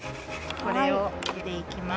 これを入れていきます。